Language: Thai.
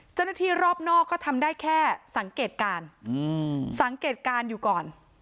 เจ้าหน้าที่รอบนอกก็ทำได้แค่สังเกตการณ์สังเกตการณ์อยู่ก่อน